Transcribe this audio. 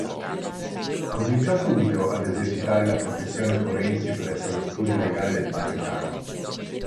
Cominciò subito ad esercitare la professione forense presso lo studio legale del padre Carlo.